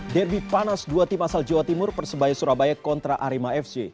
derby panas dua tim asal jawa timur persebaya surabaya kontra arema fc